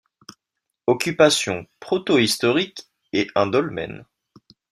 Occupation protohistorique et un dolmen.